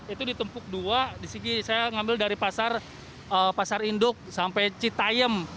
itu ditempuk dua disini saya ngambil dari pasar induk sampai citayem